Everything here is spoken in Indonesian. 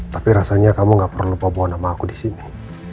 tapi rasanya kamu ga perlu bawa bawa nama aku disini